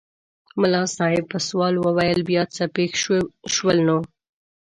ملا صاحب په سوال وویل بیا څه پېښ شول نو؟